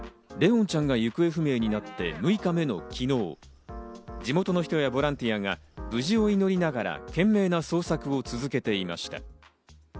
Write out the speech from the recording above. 怜音ちゃんが行方不明になって６日目の昨日、地元の人やボランティアが無事を祈りながら懸命な捜索を続けていました。